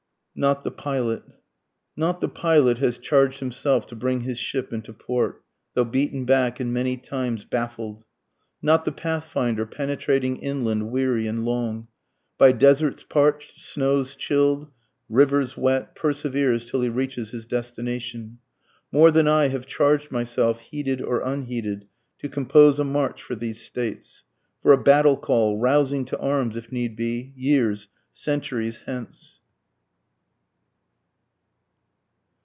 _ NOT THE PILOT. Not the pilot has charged himself to bring his ship into port, though beaten back and many times baffled; Not the pathfinder penetrating inland weary and long, By deserts parch'd, snows chill'd, rivers wet, perseveres till he reaches his destination, More than I have charged myself, heeded or unheeded, to compose a march for these States, For a battle call, rousing to arms if need be, years, centuries hence.